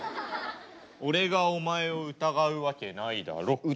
俺がお前を疑うわけないだろ。